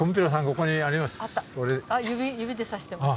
ここにあります。